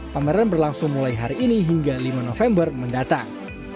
pameran berlangsung mulai hari ini hingga lima november mendatang